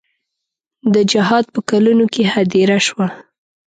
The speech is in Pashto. د جهاد په کلونو کې هدیره شوه.